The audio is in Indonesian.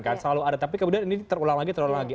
kan selalu ada tapi kemudian ini terulang lagi